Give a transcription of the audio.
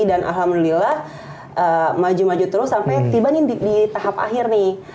dan alhamdulillah maju maju terus sampai tiba nih di tahap akhir nih